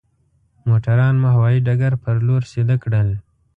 موټران مو هوايي ډګر پر لور سيده کړل.